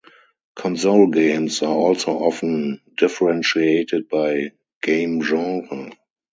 Console games are also often differentiated by game genre.